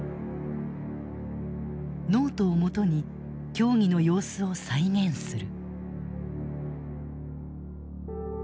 ノートをもとに協議の様子を再現する。